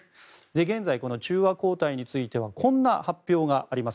現在、この中和抗体についてはこんな発表があります。